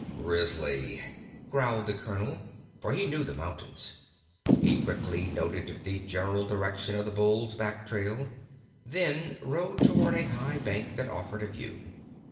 "Grizzly," growled the Colonel, for he knew the mountains. He quickly noted the general direction of the Bull's back trail, then rode toward a high bank that offered a view.